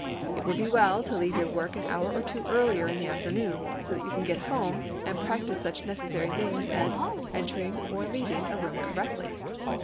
It would be well to leave your work an hour or two earlier in the afternoon, so that you can go home and practice such necessary things as entering or leaving a room correctly.